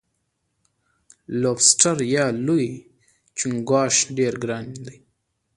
لوبسټر یا لوی چنګاښ ډیر ګران دی.